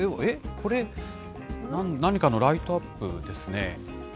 これ、何かのライトアップですね。